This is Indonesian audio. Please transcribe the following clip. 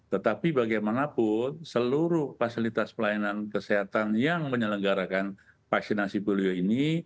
tetapi bagaimanapun seluruh fasilitas pelayanan kesehatan yang menyelenggarakan vaksinasi polio ini